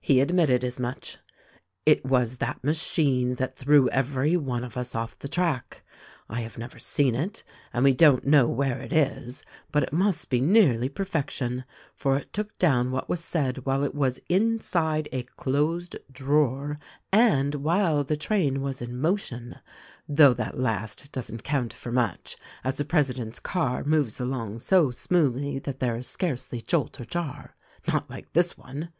He admitted as much. It was that machine that threw every one of us off the track. I have never seen it ; and we don't know where it is ; but it must be nearly perfection ; for it took down what was said while it was inside a closed drawer and while the train was in motion — though that last doesn't count for much, as the president's car moves along so smoothly that there is scarcely jolt or jar. Not like this one